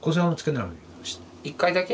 １回だけ？